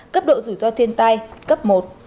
cấp độ rủi ro thiên tai cấp một